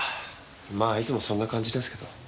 まあいつもそんな感じですけど。